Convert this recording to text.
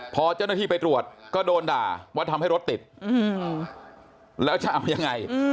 พอเจ้าหน้าที่ไปตรวจก็โดนด่าว่าทำให้รถติดแล้วจะเอายังไง